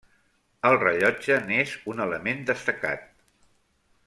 El rellotge n'és un element destacat.